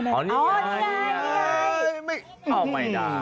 อ้าวไม่ได้